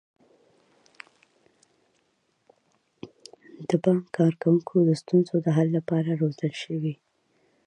د بانک کارکوونکي د ستونزو د حل لپاره روزل شوي.